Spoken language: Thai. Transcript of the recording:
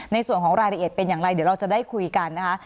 ในส่วนของรายละเอียดเป็นอย่างไรเดี๋ยวเราจะได้คุยกันนะคะ